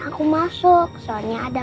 aku masuk soalnya ada